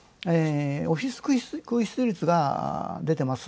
オフィス空室率が出ています。